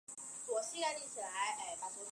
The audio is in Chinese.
其后在街上卖唱。